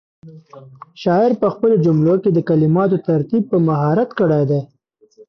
شاعر په خپلو جملو کې د کلماتو ترتیب په مهارت کړی دی.